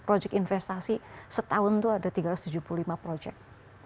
proyek investasi setahun itu ada tiga ratus tujuh puluh lima proyek